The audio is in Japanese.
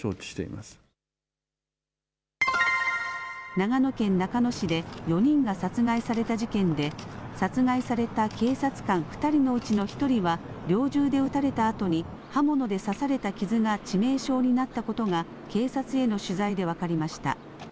長野県中野市で４人が殺害された事件で、殺害された警察官２人のうちの１人は、猟銃で撃たれたあとに刃物で刺された傷が致命傷になったことが、警察への取材で分かりました。